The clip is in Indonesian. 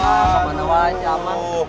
wah kemana wajah man